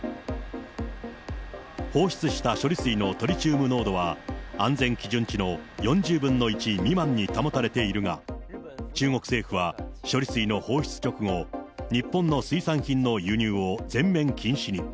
放出した処理水のトリチウム濃度は、安全基準値の４０分の１未満に保たれているが、中国政府は処理水の放出直後、日本の水産品の輸入を全面禁止に。